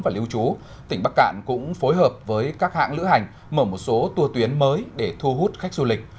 và lưu trú tỉnh bắc cạn cũng phối hợp với các hãng lữ hành mở một số tour tuyến mới để thu hút khách du lịch